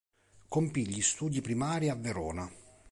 Compì gli studi primari a Verona.